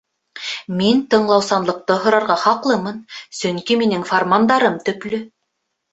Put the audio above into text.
Мин тыңлаусанлыҡты һорарға хаҡлымын, сөнки минең фармандарым төплө.